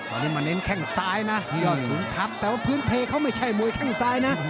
ตอนนี้มาเน้นแข้งซ้ายนะที่ยอดขุนทัพแต่ว่าพื้นเพเขาไม่ใช่มวยแข้งซ้ายนะ